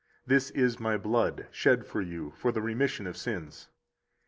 This is My blood, shed for you, for the remission of sins.